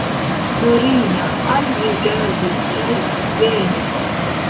Dorina alrigardis kaj svenis.